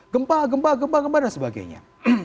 gempa gempa gempa dan sebagainya